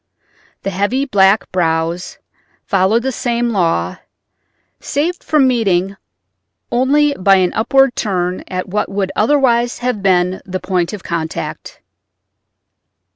The heavy black brows followed the same law, saved from meeting only by an upward turn at what would otherwise have been the point of contact.